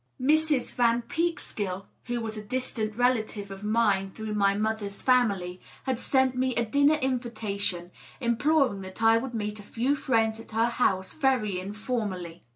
Mrs. Van Peekskill, who was a distant relative of mine through my 562 DOUGLAS DUANE. mother's family, had sent me a dinner |nvitation imploring that I would meet a few friends at her house very informally.